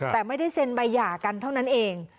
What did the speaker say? แต่ไม่ได้เซ็นใบหย่ากันเท่านั้นเอง